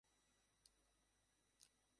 আসোনা, জান।